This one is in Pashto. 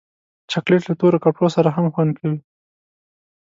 چاکلېټ له تور کپړو سره هم خوند کوي.